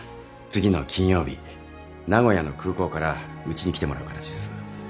次の金曜日名古屋の空港からうちに来てもらう形です。